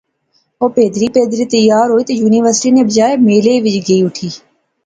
او پھیدری پھیدری تیار ہوئی تہ یونیورسٹی نے بجائے میلے وچ گئی اٹھی